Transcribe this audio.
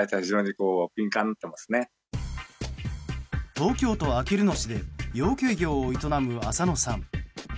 東京都あきる野市で養鶏業を営む浅野さん。